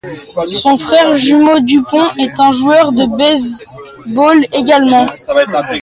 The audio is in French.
Son frère jumeau Damon est un joueur de baseball également.